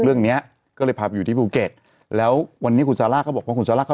เรื่องเนี้ยก็เลยพาไปอยู่ที่ภูเก็ตแล้ววันนี้คุณซาร่าก็บอกว่าคุณซาร่าเขา